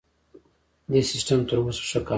دې سیستم تر اوسه ښه کار کړی.